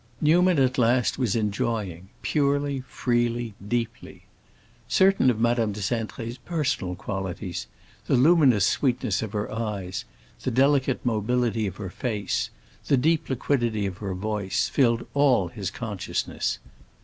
Newman at last was enjoying, purely, freely, deeply. Certain of Madame de Cintré's personal qualities—the luminous sweetness of her eyes, the delicate mobility of her face, the deep liquidity of her voice—filled all his consciousness.